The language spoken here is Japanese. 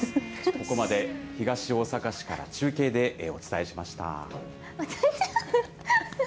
ここまで東大阪市から中継でお伝お父ちゃん。